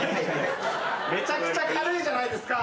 めちゃくちゃ軽いじゃないですか。